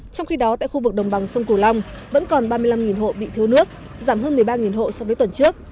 trong khi đó tại khu vực đồng bằng sông cửu long vẫn còn ba mươi năm hộ bị thiếu nước giảm hơn một mươi ba hộ so với tuần trước